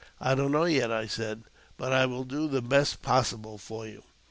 I don't know yet," I said ;'' but I will do the best possible for you."